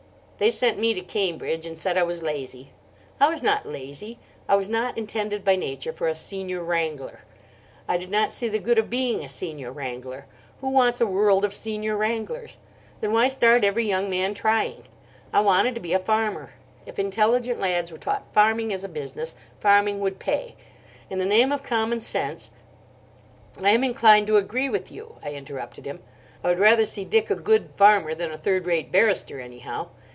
They sent me to Cambridge, and said I was lazy. I was not lazy. I was not intended by nature for a Senior Wrangler. I did not see the good of being a Senior Wrangler. Who wants a world of Senior Wranglers? Then why start every young man trying? I wanted to be a farmer. If intelligent lads were taught farming as a business, farming would pay. In the name of commonsense—" "I am inclined to agree with you," I interrupted him. "I would rather see Dick a good farmer than a third rate barrister, anyhow.